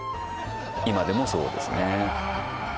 今でもそうですね